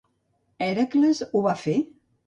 Hèracles ho va fer?